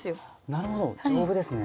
なるほど丈夫ですね。